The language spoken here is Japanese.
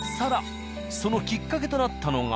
そのきっかけとなったのが。